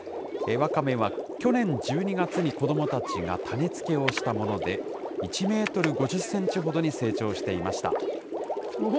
わかめは去年１２月に子どもたちが種付けをしたもので、１メートル５０センチほどに成長していました。